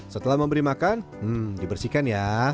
setelah memberi makan dibersihkan ya